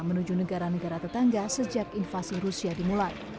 menuju negara negara tetangga sejak invasi rusia dimulai